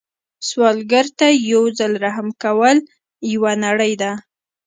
سوالګر ته یو ځل رحم کول یوه نړۍ ده